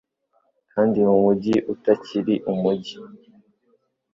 Kandi mumujyi utakiri umujyi.